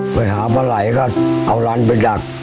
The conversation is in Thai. ไปหาปลาไหล่ก็เอาร้านไปดัก